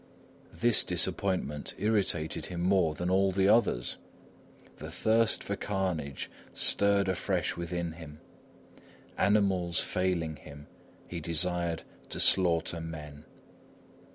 This disappointment irritated him more than all the others. The thirst for carnage stirred afresh within him; animals failing him, he desired to slaughter men.